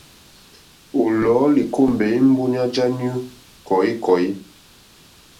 O lɔ̀u li kombɛ imbunda ja anyu kɔ̀ikɔ̀i.